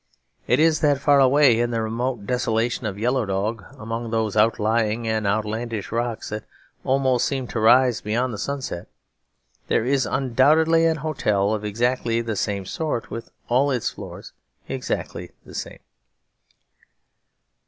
It is that far away in the remote desolation of Yellow Dog, among those outlying and outlandish rocks that almost seem to rise beyond the sunset, there is undoubtedly an hotel of exactly the same sort, with all its floors exactly the same.